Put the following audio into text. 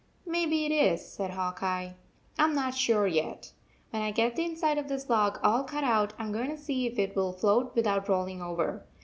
44 Maybe it is," said Hawk Eye. " I m not sure yet. When I get the inside of this log all cut out, I m going to see if it will float without rolling over.